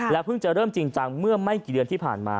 เพิ่งจะเริ่มจริงจังเมื่อไม่กี่เดือนที่ผ่านมา